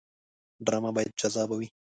ډرامه باید جذابه وي